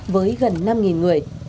với gần năm người